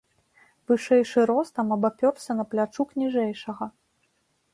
Вышэйшы ростам абапёрся на плячук ніжэйшага.